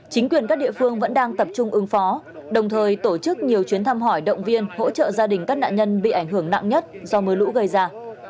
chính quyền các địa phương vẫn đang tập trung ứng phó đồng thời tổ chức nhiều chuyến thăm hỏi động viên hỗ trợ gia đình các nạn nhân bị ảnh hưởng nặng nhất do mưa lũ gây ra